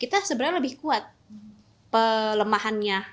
kita sebenarnya lebih kuat pelemahannya